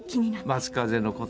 松風のこと